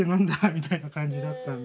みたいな感じだったんで。